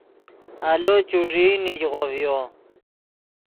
آلو چوݱیئی نیگغو ڤیو